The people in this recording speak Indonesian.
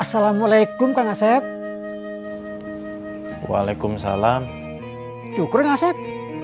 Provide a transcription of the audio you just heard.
assalamualaikum kang asep waalaikumsalam cukur ngasep